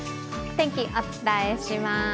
天気、お伝えします。